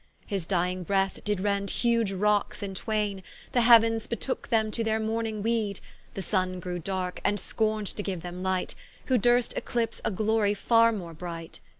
His dying breath did rend huge rockes in twaine, The heauens betooke them to their mourning weed: The Sunne grew darke, and scorn'd to giue them light, Who durst ecclipse a glory farre more bright.